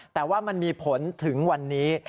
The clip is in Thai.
แต่ว่ามันมีผลถึงวันนี้